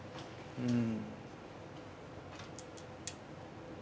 うん。